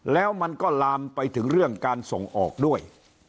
แล้วมันก็ลามไปถึงเรื่องการส่งออกด้วย